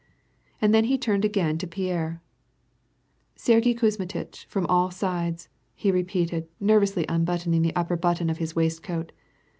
And then he turned again to Pierre: " Sergyei Kuzmitchy from all sidesy^ he repeated, ner vously unbuttoning the upper button of his waistcoat.